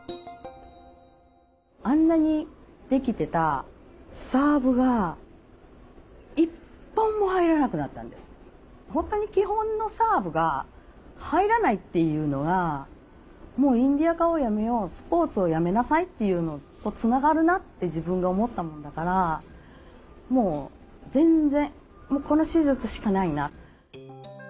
あんなにできてた本当に基本のサーブが入らないっていうのはもうインディアカをやめようスポーツをやめなさいっていうのとつながるなって自分が思ったもんだからもう全然もうこの手術しかないな。